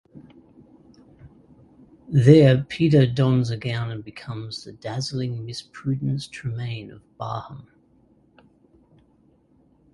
There, "Peter" dons a gown and becomes the dazzling Miss Prudence Tremaine of Barham.